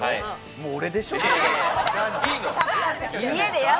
もう俺でしょ。